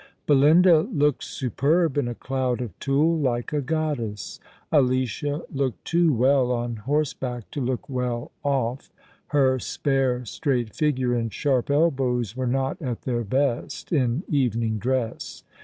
Belinda looked superb in a cloud of tulle, like a goddess. Alicia looked too well on horseback to look well off. Her spare straight figure and sharp elbows were not at their best in evening dress.